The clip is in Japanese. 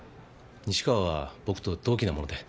西川は僕と同期なもので。